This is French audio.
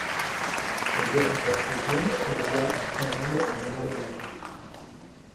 Durant cette saison, il joua en Finlande et en Allemagne.